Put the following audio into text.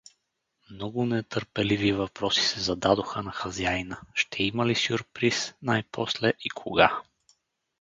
Много нетърпеливи въпроси се зададоха на хазаина: ще има ли сюрприз най-после и кога?